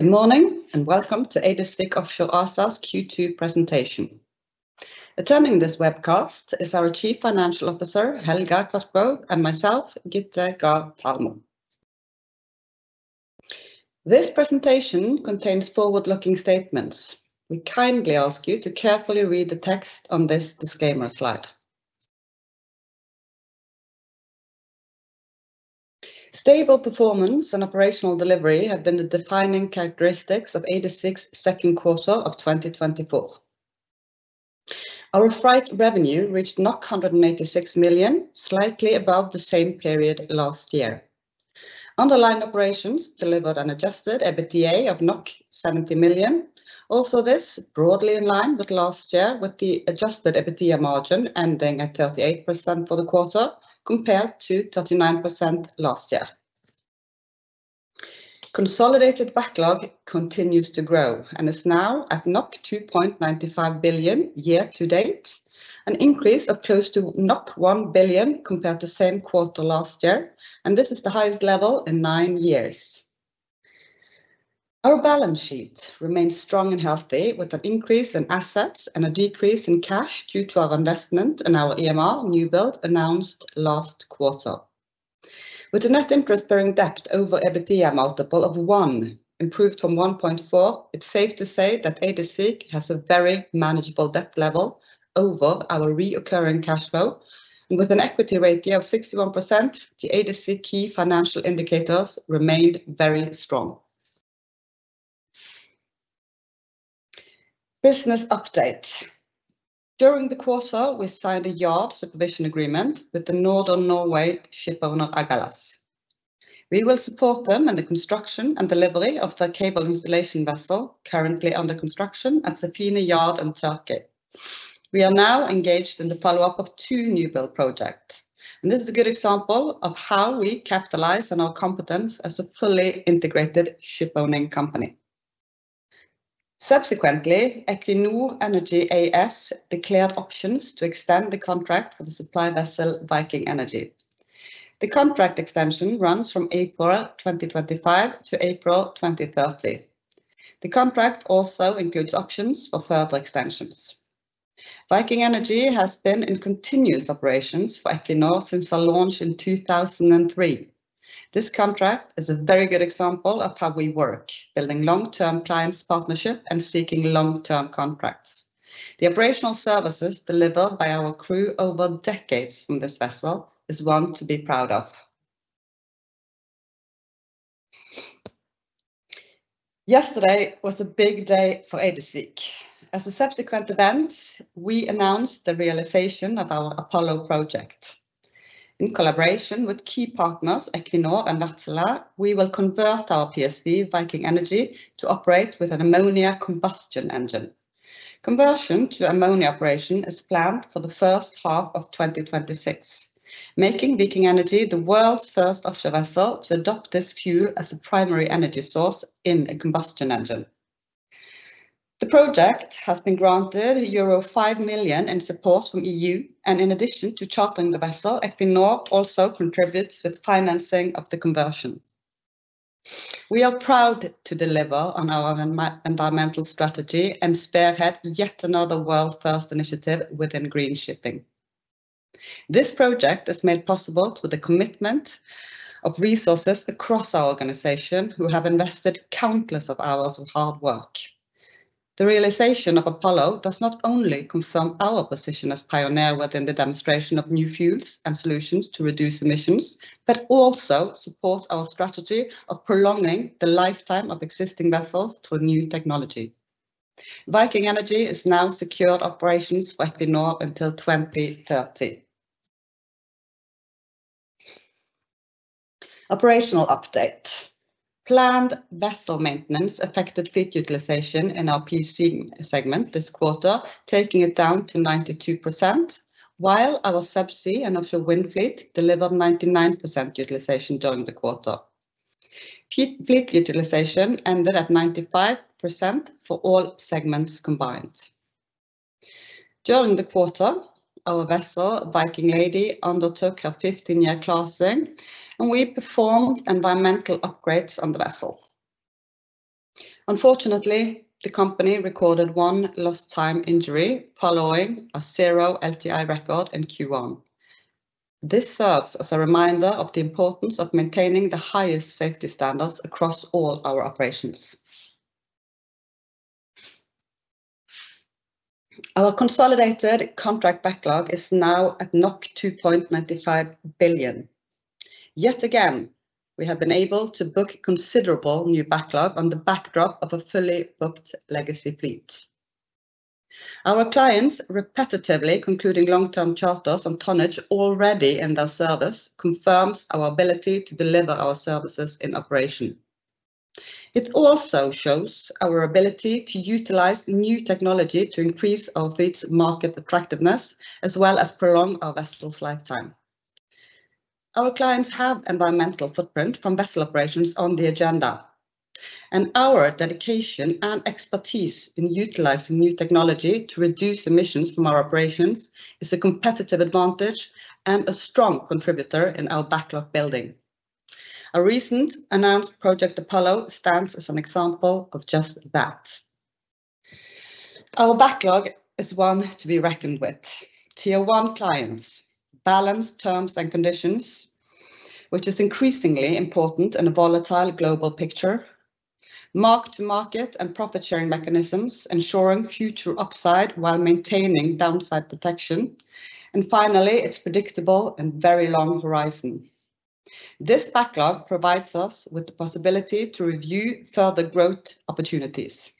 Good morning, and welcome to Eidesvik Offshore ASA's Q2 presentation. Attending this webcast is our Chief Financial Officer, Helga Kotbø, and myself, Gitte Gard Talmo. This presentation contains forward-looking statements. We kindly ask you to carefully read the text on this disclaimer slide. Stable performance and operational delivery have been the defining characteristics of Eidesvik second quarter of 2024. Our freight revenue reached 186 million, slightly above the same period last year. Underlying operations delivered an adjusted EBITDA of 70 million. Also, this broadly in line with last year, with the adjusted EBITDA margin ending at 38% for the quarter, compared to 39% last year. Consolidated backlog continues to grow and is now at 2.95 billion year to date, an increase of close to 1 billion compared to the same quarter last year, and this is the highest level in nine years. Our balance sheet remains strong and healthy, with an increase in assets and a decrease in cash due to our investment in our IMR newbuild announced last quarter. With a net interest-bearing debt over EBITDA multiple of one, improved from 1.4, it's safe to say that Eidesvik has a very manageable debt level over our recurring cash flow. With an equity ratio of 61%, the Eidesvik key financial indicators remained very strong. Business update. During the quarter, we signed a yard supervision agreement with the Northern Norway shipowner, Agalas. We will support them in the construction and delivery of their cable installation vessel, currently under construction at Sefine Shipyard in Turkey. We are now engaged in the follow-up of two new build projects, and this is a good example of how we capitalize on our competence as a fully integrated shipowning company. Subsequently, Equinor Energy AS declared options to extend the contract for the supply vessel, Viking Energy. The contract extension runs from April 2025 to April 2030. The contract also includes options for further extensions. Viking Energy has been in continuous operations for Equinor since our launch in 2003. This contract is a very good example of how we work, building long-term clients partnership and seeking long-term contracts. The operational services delivered by our crew over decades from this vessel is one to be proud of. Yesterday was a big day for Eidesvik. As a subsequent event, we announced the realization of our Apollo project. In collaboration with key partners, Equinor and Wärtsilä, we will convert our PSV, Viking Energy, to operate with an ammonia combustion engine. Conversion to ammonia operation is planned for the first half of twenty twenty-six, making Viking Energy the world's first offshore vessel to adopt this fuel as a primary energy source in a combustion engine. The project has been granted euro 5 million in support from EU, and in addition to chartering the vessel, Equinor also contributes with financing of the conversion. We are proud to deliver on our environmental strategy and spearhead yet another world-first initiative within green shipping. This project is made possible through the commitment of resources across our organization, who have invested countless of hours of hard work. The realization of Apollo does not only confirm our position as pioneer within the demonstration of new fuels and solutions to reduce emissions, but also supports our strategy of prolonging the lifetime of existing vessels to a new technology. Viking Energy has now secured operations for Equinor until 2030. Operational update. Planned vessel maintenance affected fleet utilization in our PSV segment this quarter, taking it down to 92%, while our subsea and offshore wind fleet delivered 99% utilization during the quarter. Fleet utilization ended at 95% for all segments combined. During the quarter, our vessel, Viking Lady, undertook a fifteen-year classing, and we performed environmental upgrades on the vessel. Unfortunately, the company recorded one lost time injury, following a zero LTI record in Q1. This serves as a reminder of the importance of maintaining the highest safety standards across all our operations. Our consolidated contract backlog is now at 2.95 billion. Yet again, we have been able to book considerable new backlog on the backdrop of a fully booked legacy fleet. Our clients repetitively concluding long-term charters on tonnage already in their service, confirms our ability to deliver our services in operation. It also shows our ability to utilize new technology to increase our fleet's market attractiveness, as well as prolong our vessels' lifetime. Our clients have environmental footprint from vessel operations on the agenda, and our dedication and expertise in utilizing new technology to reduce emissions from our operations is a competitive advantage and a strong contributor in our backlog building. A recent announced project, Apollo, stands as an example of just that. Our backlog is one to be reckoned with. Tier one clients, balanced terms and conditions, which is increasingly important in a volatile global picture, spot market and profit-sharing mechanisms ensuring future upside while maintaining downside protection, and finally, its predictable and very long horizon. This backlog provides us with the possibility to review further growth opportunities.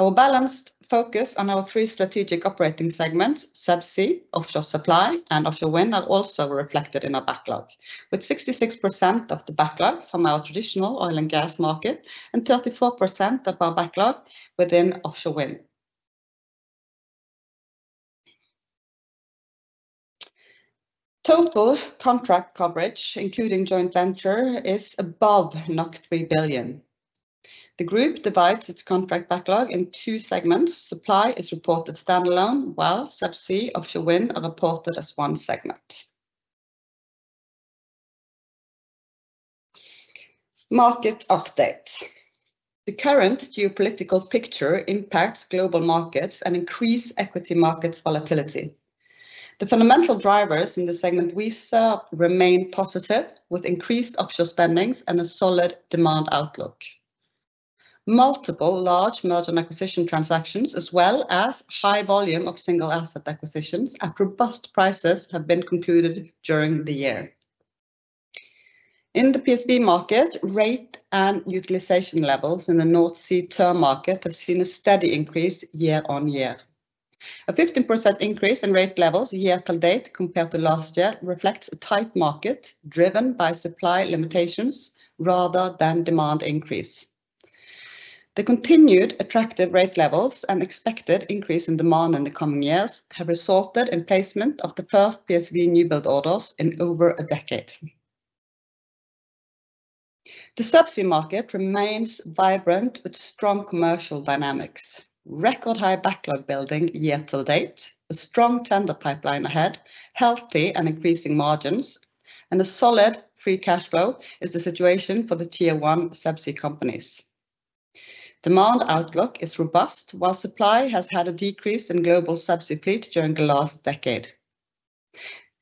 Our balanced focus on our three strategic operating segments, subsea, Offshore Supply, and Offshore Wind, are also reflected in our backlog, with 66% of the backlog from our traditional oil and gas market and 34% of our backlog within offshore wind. Total contract coverage, including joint venture, is above 3 billion. The group divides its contract backlog in two segments. Supply is reported standalone, while subsea, Offshore Wind are reported as one segment. Market update. The current geopolitical picture impacts global markets and increased equity markets volatility. The fundamental drivers in the segment we serve remain positive, with increased offshore spending and a solid demand outlook. Multiple large merger and acquisition transactions, as well as high volume of single asset acquisitions at robust prices, have been concluded during the year. In the PSV market, rate and utilization levels in the North Sea term market have seen a steady increase year on year. A 15% increase in rate levels year to date compared to last year reflects a tight market, driven by supply limitations rather than demand increase. The continued attractive rate levels and expected increase in demand in the coming years have resulted in placement of the first PSV newbuild orders in over a decade. The subsea market remains vibrant, with strong commercial dynamics, record high backlog building year to date, a strong tender pipeline ahead, healthy and increasing margins, and a solid free cash flow is the situation for the tier one subsea companies. Demand outlook is robust, while supply has had a decrease in global subsea fleet during the last decade.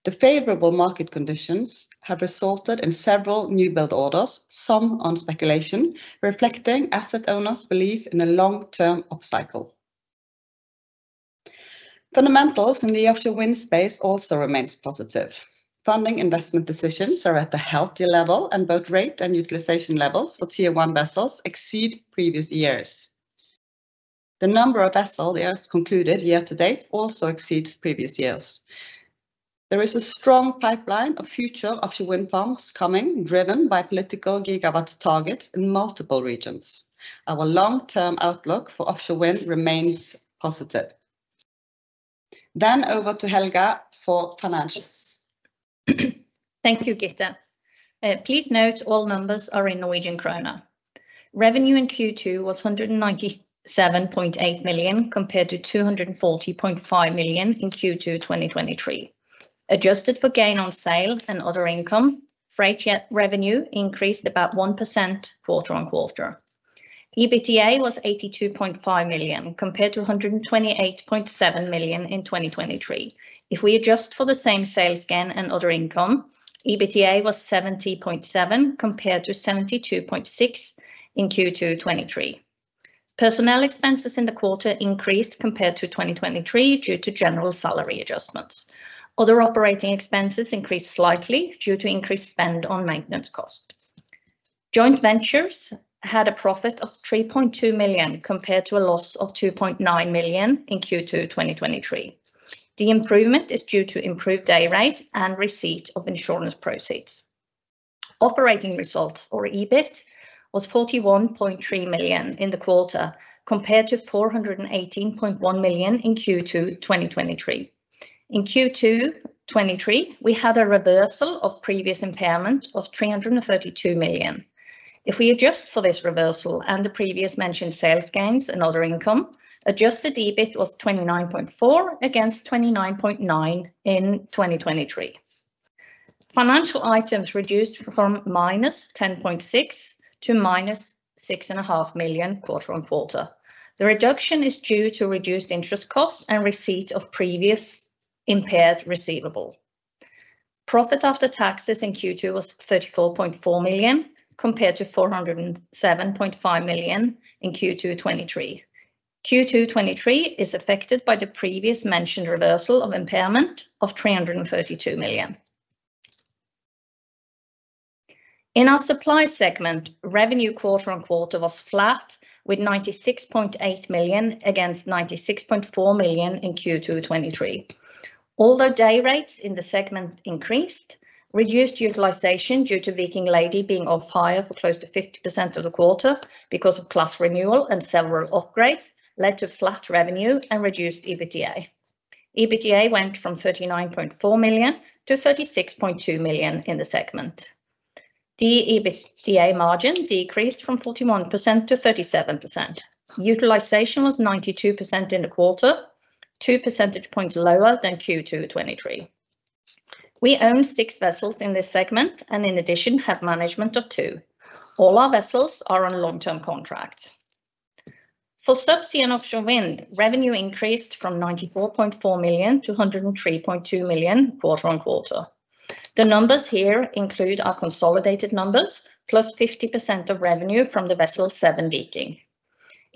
The favorable market conditions have resulted in several newbuild orders, some on speculation, reflecting asset owners' belief in a long-term upcycle. Fundamentals in the offshore wind space also remains positive. Funding investment decisions are at a healthy level, and both rate and utilization levels for tier one vessels exceed previous years. The number of vessel years concluded year to date also exceeds previous years. There is a strong pipeline of future offshore wind farms coming, driven by political gigawatt targets in multiple regions. Our long-term outlook for offshore wind remains positive. Then over to Helga for financials. Thank you, Gitte. Please note, all numbers are in Norwegian kroner. Revenue in Q2 was 197.8 million, compared to 240.5 million in Q2 2023. Adjusted for gain on sale and other income, freight revenue increased about 1% quarter on quarter. EBITDA was 82.5 million, compared to 128.7 million in 2023. If we adjust for the same sales gain and other income, EBITDA was 70.7 million, compared to 72.6 million in Q2 2023. Personnel expenses in the quarter increased compared to 2023 due to general salary adjustments. Other operating expenses increased slightly due to increased spend on maintenance costs. Joint ventures had a profit of 3.2 million, compared to a loss of 2.9 million in Q2 2023. The improvement is due to improved day rate and receipt of insurance proceeds. Operating results, or EBIT, was 41.3 million in the quarter, compared to 418.1 million in Q2 2023. In Q2 2023, we had a reversal of previous impairment of 332 million. If we adjust for this reversal and the previously mentioned sales gains and other income, adjusted EBIT was 29.4 million against 29.9 million in 2023. Financial items reduced from -10.6 million to -6.5 million quarter on quarter. The reduction is due to reduced interest costs and receipt of previously impaired receivable. Profit after taxes in Q2 was 34.4 million, compared to 407.5 million in Q2 2023. Q2 2023 is affected by the previously mentioned reversal of impairment of 332 million. In our supply segment, revenue quarter on quarter was flat, with 96.8 million, against 96.4 million in Q2 2023. Although day rates in the segment increased, reduced utilization due to Viking Lady being off hire for close to 50% of the quarter because of class renewal and several upgrades, led to flat revenue and reduced EBITDA. EBITDA went from 39.4 million to 36.2 million in the segment. The EBITDA margin decreased from 41% to 37%. Utilization was 92% in the quarter, two percentage points lower than Q2 2023. We own six vessels in this segment, and in addition, have management of two. All our vessels are on long-term contracts. For subsea and offshore wind, revenue increased from 94.4 million to 103.2 million quarter on quarter. The numbers here include our consolidated numbers, plus 50% of revenue from the vessel Seven Viking.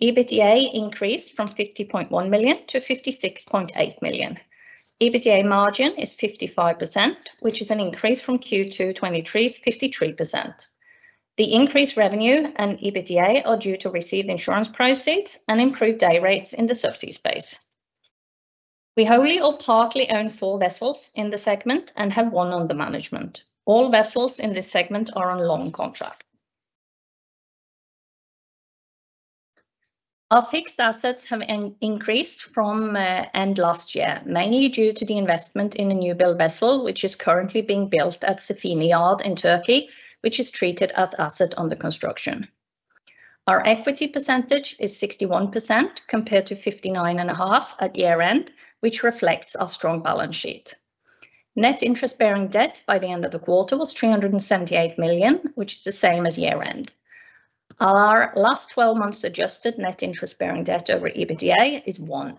EBITDA increased from 50.1 million to 56.8 million. EBITDA margin is 55%, which is an increase from Q2 2023's 53%. The increased revenue and EBITDA are due to receive insurance proceeds and improved day rates in the subsea space. We wholly or partly own four vessels in the segment and have one under management. All vessels in this segment are on long contract. Our fixed assets have increased from end last year, mainly due to the investment in a new build vessel, which is currently being built at Sefine Shipyard in Turkey, which is treated as asset under construction. Our equity percentage is 61%, compared to 59.5% at year-end, which reflects our strong balance sheet. Net interest-bearing debt by the end of the quarter was 378 million, which is the same as year-end. Our last twelve months adjusted net interest bearing debt over EBITDA is one.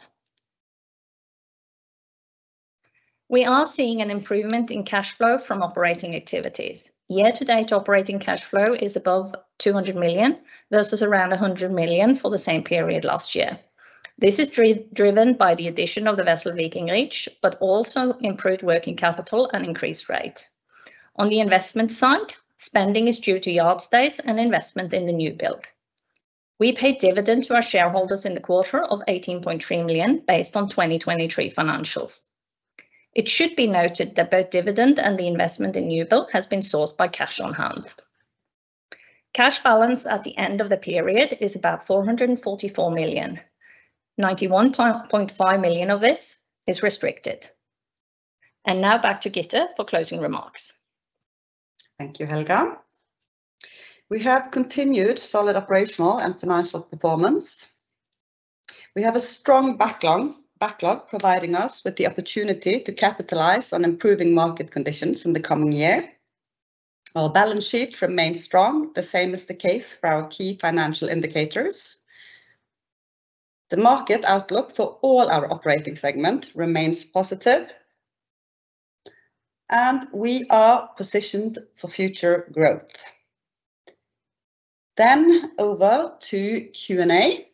We are seeing an improvement in cash flow from operating activities. Year to date, operating cash flow is above 200 million, versus around 100 million for the same period last year. This is driven by the addition of the vessel Viking Reach, but also improved working capital and increased rate. On the investment side, spending is due to yard stays and investment in the new build. We paid dividend to our shareholders in the quarter of 18.3 million, based on 2023 financials. It should be noted that both dividend and the investment in new build has been sourced by cash on hand. Cash balance at the end of the period is about 444 million, 91.5 million of this is restricted. And now back to Gitte for closing remarks. Thank you, Helga. We have continued solid operational and financial performance. We have a strong backlog providing us with the opportunity to capitalize on improving market conditions in the coming year. Our balance sheet remains strong, the same is the case for our key financial indicators. The market outlook for all our operating segment remains positive, and we are positioned for future growth. Then over to Q&A.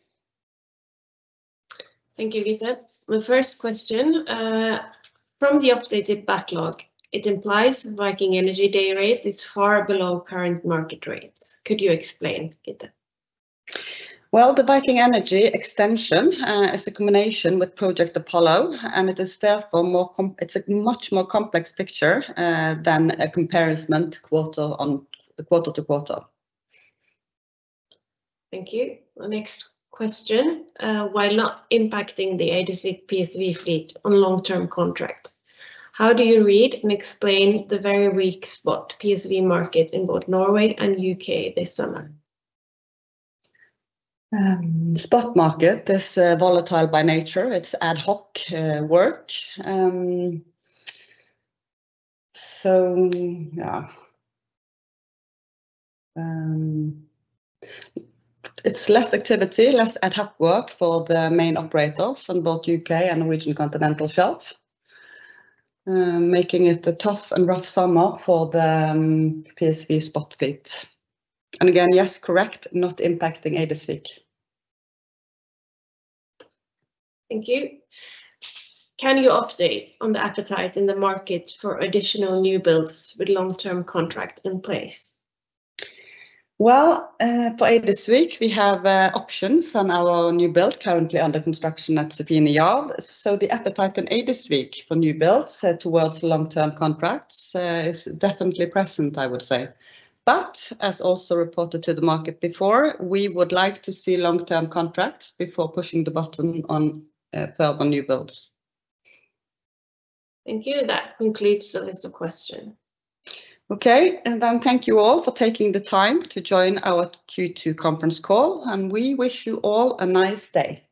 Thank you, Gitte. The first question from the updated backlog, it implies Viking Energy day rate is far below current market rates. Could you explain, Gitte? The Viking Energy extension is a combination with Project Apollo, and it is therefore more—it's a much more complex picture than a comparison quarter on quarter to quarter. Thank you. The next question: While not impacting the Eidesvik PSV fleet on long-term contracts, how do you read and explain the very weak spot PSV market in both Norway and U.K. this summer? Spot market is volatile by nature. It's ad hoc work. So yeah, it's less activity, less ad hoc work for the main operators in both U.K. and Norwegian Continental Shelf, making it a tough and rough summer for the PSV spot fleet, and again, yes, correct, not impacting Eidesvik. Thank you. Can you update on the appetite in the market for additional new builds with long-term contract in place? For Eidesvik, we have options on our new build, currently under construction at Sefine Shipyard. So the appetite on Eidesvik for new builds towards long-term contracts is definitely present, I would say. But as also reported to the market before, we would like to see long-term contracts before pushing the button on further new builds. Thank you. That concludes the list of questions. Okay, and then thank you all for taking the time to join our Q2 conference call, and we wish you all a nice day.